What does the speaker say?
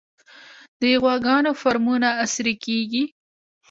د غواګانو فارمونه عصري کیږي